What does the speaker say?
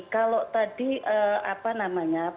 kalau tadi apa namanya